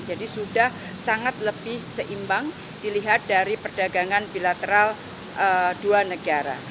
jadi sudah sangat lebih seimbang dilihat dari perdagangan bilateral dua negara